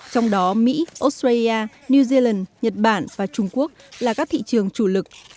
trong đó mỹ australia new zealand nhật bản và trung quốc là các thị trường chủ lực